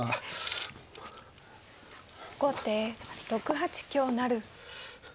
後手６八香成。